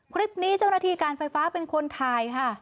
คลิปนี้เจ้าหน้าที่การไฟฟ้าเป็นคนถ่ายค่ะ